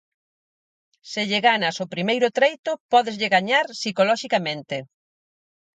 Se lle ganas o primeiro treito, pódeslle gañar psicoloxicamente.